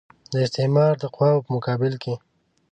د استعمار د قواوو په مقابل کې.